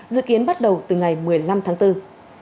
dự kiến bắt đầu từ ngày tám tháng bốn tới đây